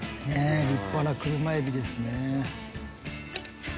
立派な車エビですね。